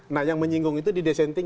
nah yang menyinggung itu didesenting